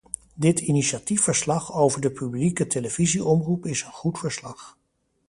Dit initiatief-verslag over de publieke televisie-omroep is een goed verslag.